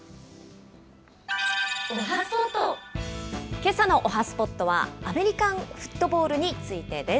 けさのおはＳＰＯＴは、アメリカンフットボールについてです。